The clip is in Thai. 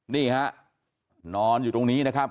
นี่ฮะนอนอยู่ตรงนี้นะครับ